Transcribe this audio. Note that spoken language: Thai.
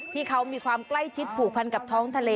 ที่เขามีความใกล้ชิดผูกพันกับท้องทะเล